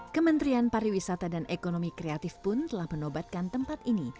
kementerian pariwisata dan ekonomi kreatif pun telah menobatkan tempat ini